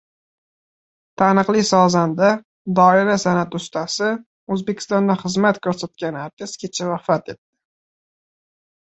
Taniqli sozanda, doira sanʼati ustasi, Oʻzbekistonda xizmat koʻrsatgan artist kecha vafot etdi.